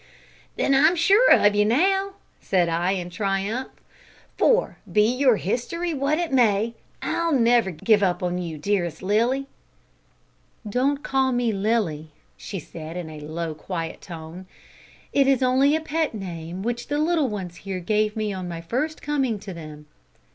"Then I'm sure of you now," said I, in triumph; "for, be your history what it may, I'll never give you up, dearest Lilly " "Don't call me Lilly," she said in a low, quiet tone; "it is only a pet name which the little ones here gave me on my first coming to them.